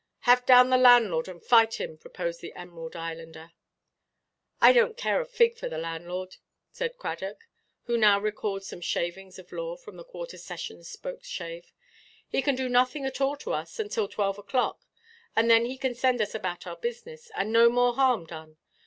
"Have down the landlord and fight him," proposed the Emerald Islander. "I donʼt care a fig for the landlord," said Cradock, who now recalled some shavings of law from the Quarter Sessions spokeshave; "he can do nothing at all to us, until twelve oʼclock, and then he can send us about our business, and no more harm done.